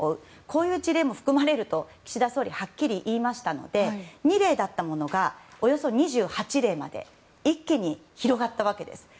こういう事例も含まれると岸田総理はっきり言いましたので２例だったものがおよそ２８例まで一気に広がったわけです。